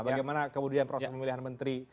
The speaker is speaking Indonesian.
bagaimana kemudian proses pemilihan menteri